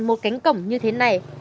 một cánh cổng như thế này